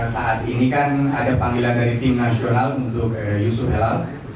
saat ini kan ada panggilan dari timnas jorhant untuk yusuf helal